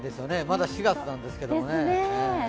まだ４月なんですけどね。